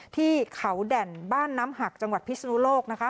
ที่เขาแด่นบ้านน้ำหักจังหวัดพิศนุโลกนะคะ